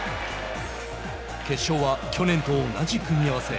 決勝は去年と同じ組み合わせ。